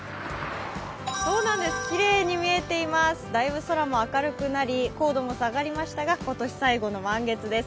そうなんです、きれいに見えていますだいぶ空も明るくなり高度も下がりましたが、今年最後の満月です。